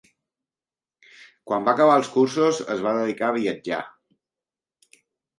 Quan va acabar els cursos es va dedicar a viatjar.